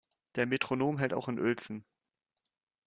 Der Metronom hält auch in Uelzen.